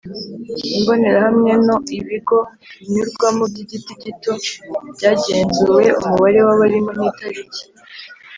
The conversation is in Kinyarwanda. Imbonerahamwe no ibigo binyurwamo by igihe gito byagenzuwe umubare w abarimo n itariki